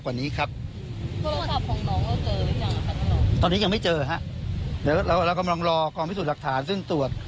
กว่านี้ครับตอนนี้ยังไม่เจอฮะเดี๋ยวเรากำลังรอความพิสูจน์หลักฐานซึ่งตรวจ